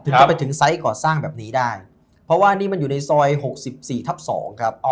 จะไปถึงไซส์ก่อสร้างแบบนี้ได้เพราะว่านี่มันอยู่ในซอย๖๔ทับ๒ครับ